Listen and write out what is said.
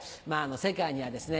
世界にはですね